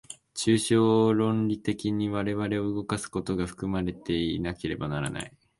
抽象論理的に我々を動かすことが含まれていなければならない。